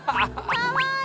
かわいい。